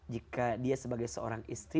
jika dia sebagai seorang istri